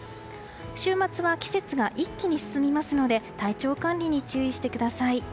週末は季節が一気に進みますので体調管理に注意してください。